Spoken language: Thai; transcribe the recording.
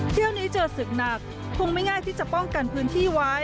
เที่ยวนี้เจอศึกหนักคงไม่ง่ายที่จะป้องกันพื้นที่ไว้